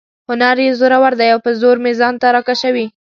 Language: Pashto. هنر یې زورور دی او په زور مې ځان ته را کشوي.